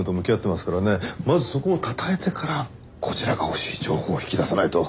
まずそこを讃えてからこちらが欲しい情報を引き出さないと。